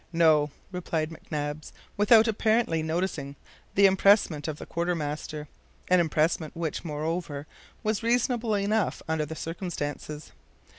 "No," replied McNabbs, without apparently noticing the EMPRESSMENT of the quartermaster an EMPRESSMENT which, moreover, was reasonable enough under the circumstances.